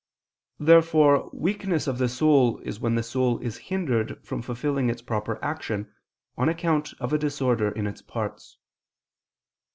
Therefore weakness of the soul is when the soul is hindered from fulfilling its proper action on account of a disorder in its parts.